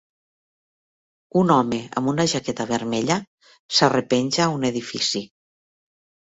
Un home amb una jaqueta vermella s'arrepenja a un edifici